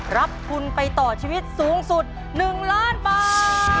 รับทุนไปต่อชีวิตสูงสุด๑ล้านบาท